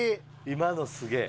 今のすげえ。